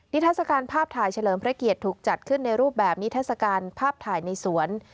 ทัศกาลภาพถ่ายเฉลิมพระเกียรติถูกจัดขึ้นในรูปแบบนิทัศกาลภาพถ่ายในสวน